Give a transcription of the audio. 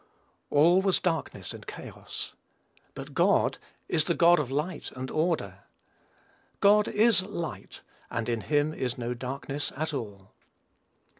All was darkness and chaos; but God is the God of light and order. "God is light, and in him is no darkness at all."